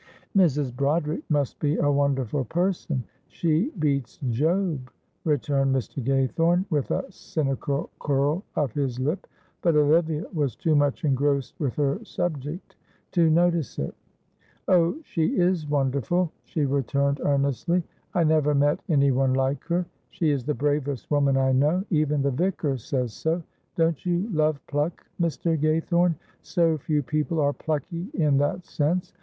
"Mrs. Broderick must be a wonderful person. She beats Job," returned Mr. Gaythorne, with a cynical curl of his lip; but Olivia was too much engrossed with her subject to notice it. "Oh, she is wonderful!" she returned, earnestly. "I never met any one like her. She is the bravest woman I know. Even the Vicar says so. Don't you love pluck, Mr. Gaythorne? So few people are plucky in that sense.